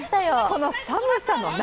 この寒さの中。